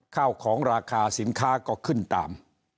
ข้าวของราคาสินค้าก็ขึ้นตาม